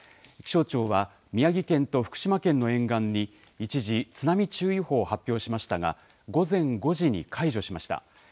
気象庁は宮城県と福島県の沿岸に一時、津波注意報を発表しましたが午前５時に解除しました。